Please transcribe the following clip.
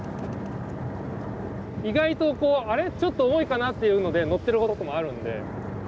意外とあれちょっと重いかなというのでのってることもあるんで。